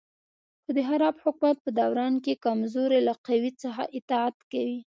خو د خراب حکومت په دوران کې کمزوري له قوي څخه اطاعت کوي.